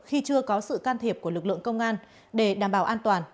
khi chưa có sự can thiệp của lực lượng công an để đảm bảo an toàn